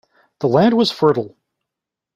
The land was fertile.